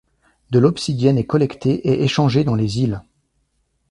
De l'obsidienne est collectée et échangée dans les îles.